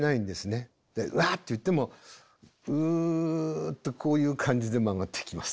うわっていってもうっとこういう感じで曲がってきます。